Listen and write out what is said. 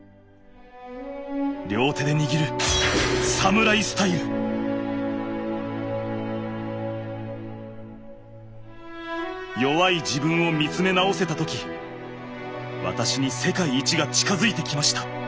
両手で握る弱い自分を見つめ直せた時私に世界一が近づいてきました。